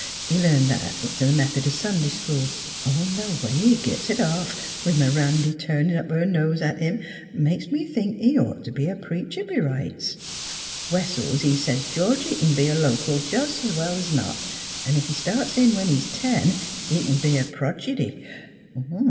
He learned that t' th' Meth'dist Sunday school; an' th' way he gits it off — with M 'randy a turnin' up her nose at him — makes me think he'd ought t' be a preacher b' rights. Wessels, he sez Georgie c'n be a local jus' 's well 's not; 'n' ef he starts in when he 's ten he c'n be a progidy.